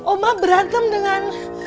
oma berantem dengan